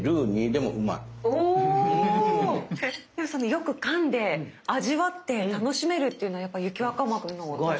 よくかんで味わって楽しめるっていうのはやっぱ雪若丸の特徴で。